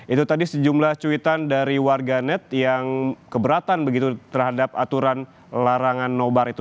itu tadi sejumlah cuitan dari warganet yang keberatan begitu terhadap aturan larangan nobar itu